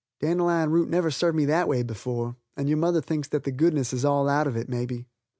Dandelion root never served me that way before and your mother thinks that the goodness is all out of it, may be.